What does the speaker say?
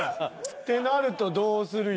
ってなるとどうするよ。